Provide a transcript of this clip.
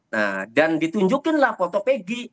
nah dan ditunjukinlah foto pegi